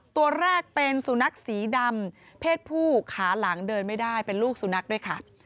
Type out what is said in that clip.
ตัวแรกเป็นสุนัขสีดำเพศผู้ขาหลังเดินไม่ได้เป็นลูกสุนัขด้วยค่ะ